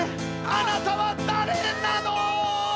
あなたはだれなの？